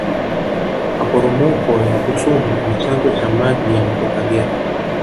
maporomoko ya rusumo ni chanzo cha maji ya mto kagera